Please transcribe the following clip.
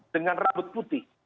dengan rambut putih